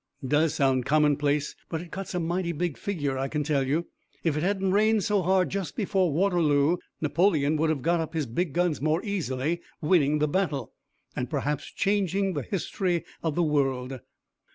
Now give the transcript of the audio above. "Does sound commonplace, but it cuts a mighty big figure I can tell you. If it hadn't rained so hard just before Waterloo Napoleon would have got up his big guns more easily, winning the battle, and perhaps changing the history of the world.